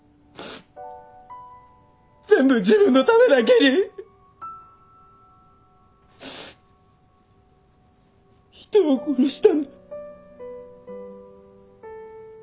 全部自分のためだけに。人を殺したんだ。